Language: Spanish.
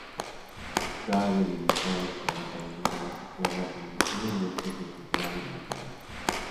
Está delimitado por las Avenidas, situadas donde antiguamente se encontraban las murallas.